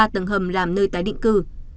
ba tầng hầm làm nơi tái định cư